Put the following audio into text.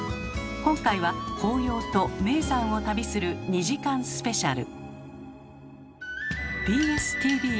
今回は紅葉と名山を旅する２時間スペシャル。